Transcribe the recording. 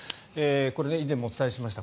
これ、以前もお伝えしました。